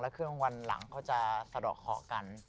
แล้วเครื่องวันหลังเค้าจะสะดอกคอกัน